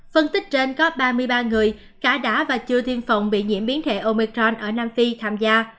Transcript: phân tích trên có ba mươi ba người cả đã và chưa tiêm phòng bị nhiễm biến thể omicron ở nam phi tham gia